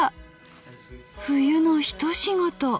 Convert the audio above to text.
冬の一仕事。